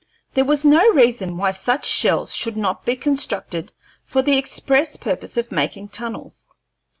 There was no reason why such shells should not be constructed for the express purpose of making tunnels.